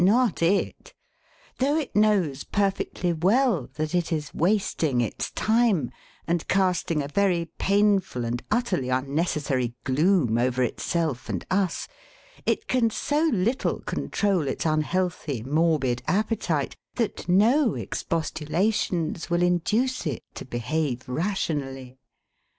Not it! Though it knows perfectly well that it is wasting its time and casting a very painful and utterly unnecessary gloom over itself and us, it can so little control its unhealthy morbid appetite that no expostulations will induce it to behave rationally.